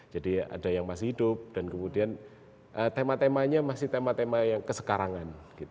ada yang masih hidup dan kemudian tema temanya masih tema tema yang kesekarangan